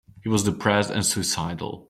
He was depressed and suicidal.